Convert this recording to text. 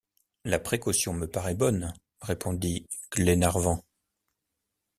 La précaution me paraît bonne, répondit Glenarvan.